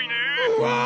うわ！